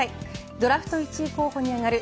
ドラフト１位候補に挙がる